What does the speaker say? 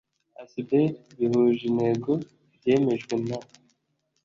asbl bihuje intego byemejwe na